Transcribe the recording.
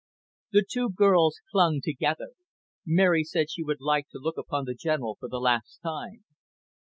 The two girls clung together. Mary said she would like to look upon the General for the last time.